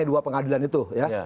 dua pengadilan itu